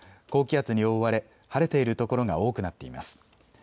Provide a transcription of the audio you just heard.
高気圧に覆われ、晴れている所が多くなっています。